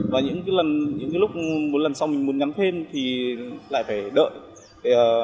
và những lúc một lần sau mình muốn nhắn thêm thì lại phải đợi